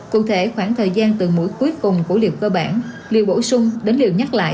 cụ thể khoảng thời gian từ mũi cuối cùng của liệu cơ bản liều bổ sung đến liều nhắc lại